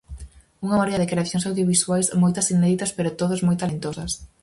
Unha morea de creacións audiovisuais, moitas inéditas pero todas moi talentosas.